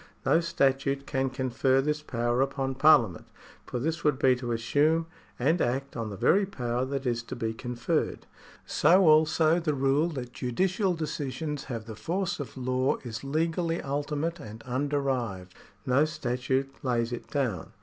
No statute can confer this power upon Parliament, for this would be to assume and act on the very power that is to be conferred. So also the rule that judicial decisions have the force of law is legally ultimate and underived. No statute lays it down.